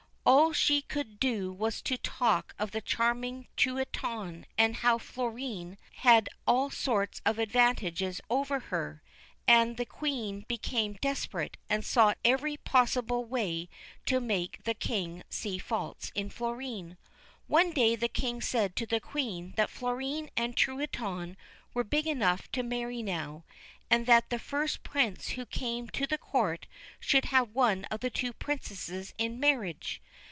All she could do was to talk of the charming Truitonne, and how Florine had all sorts of advantages over her; and the Queen became desperate, and sought every possible way to make the King see faults in Florine. One day the King said to the Queen that Florine and Truitonne were big enough to marry now, and that the first Prince who came to the court should have one of the two Princesses in marriage.